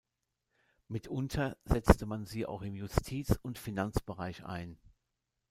Mitunter setzte man sie auch im Justiz- und Finanzbereich ein.